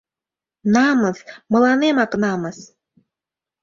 Намыс... мыланемак намыс...